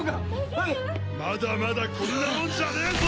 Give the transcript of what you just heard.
まだまだこんなもんじゃねえぞ！